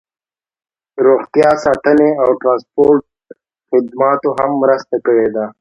روغتیا ساتنې او ټرانسپورټ خدماتو هم مرسته کړې ده